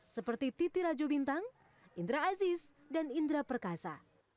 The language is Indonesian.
seperti titi rajobintang indra aziz dan indra perkasa